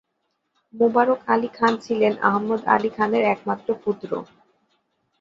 মুবারক আলী খান ছিলেন আহমদ আলী খানের একমাত্র পুত্র।